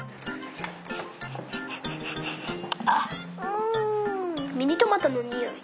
あっうんミニトマトのにおい。